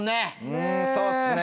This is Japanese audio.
うんそうっすね。